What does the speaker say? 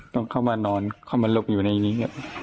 ต้องเข้ามานอนเข้ามาหลบอยู่ในนี้